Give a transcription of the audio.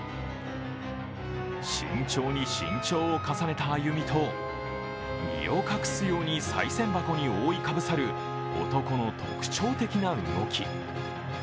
慎重に慎重を重ねた歩みと身を隠すように、さい銭箱に覆いかぶさる男の特徴的な動き。